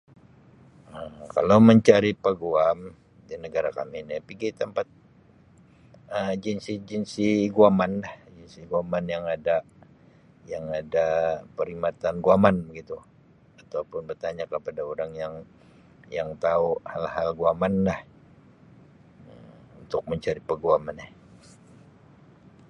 Um kalau mencari peguam di negara kami ni pigi tempat Um agensi-agensi guaman lah, guaman yang ada, yang ada perkhidmatan guaman begitu ataupun bertanya kepada orang yang tau hal-hal guaman lah untuk mencari peguam ini.